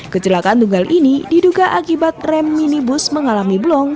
kecelakaan tunggal ini diduga akibat rem minibus mengalami blong